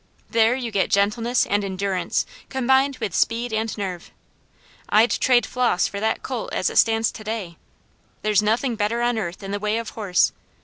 There you get gentleness and endurance combined with speed and nerve. I'd trade Flos for that colt as it stands to day. There's nothing better on earth in the way of horse.